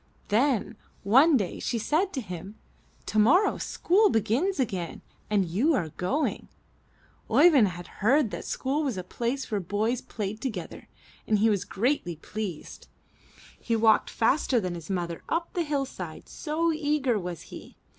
Then one day she said to him: * 'Tomorrow school begins again and you are going/' Oeyvind had heard that school was a place where boys played together and he was greatly pleased. He walked faster than his mother up the hill side, so eager was he.